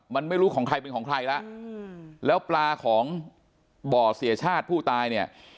มันไม่รู้ของใครเป็นของใครแล้วแล้วปลาของบ่อเสียชาติผู้ตายเนี่ย